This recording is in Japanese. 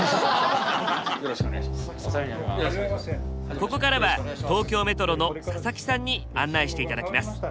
ここからは東京メトロの佐々木さんに案内して頂きます。